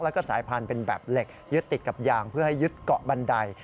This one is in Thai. แล้วก็สายพันธุ์เป็นแบบเหล็กยึดติดกับยางเพื่อให้ยึดเกาะบันได